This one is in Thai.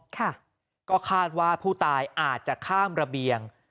ค่ะก็คาดว่าผู้ตายอาจจะข้ามระเบียง